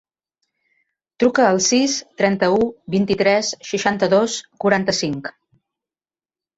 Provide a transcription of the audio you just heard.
Truca al sis, trenta-u, vint-i-tres, seixanta-dos, quaranta-cinc.